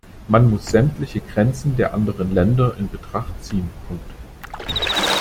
Man muss sämtliche Grenzen der anderen Länder in Betracht ziehen.